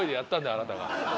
あなたが。